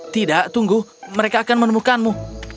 tidak tunggu mereka akan menemukanmu